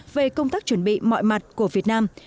về công tác chuẩn bị mọi mặt của việt nam